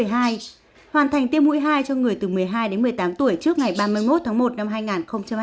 hoàn thành tiêm mũi hai cho người từ một mươi hai đến một mươi tám tuổi trước ngày ba mươi một tháng một năm hai nghìn hai mươi